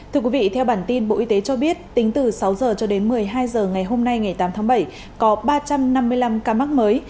thưa quý vị theo bản tin bộ y tế cho biết tính từ sáu h cho đến một mươi hai h ngày hôm nay ngày tám tháng bảy có ba trăm năm mươi năm ca mắc mới